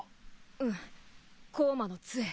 うん光魔の杖。